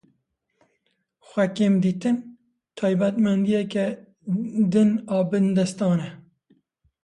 Xwekêmdîtin, taybetmendiyeke din a bindestan e.